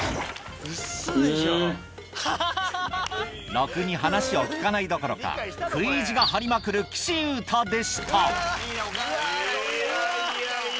ろくに話を聞かないどころか食い意地が張りまくる岸優太でしたうわ！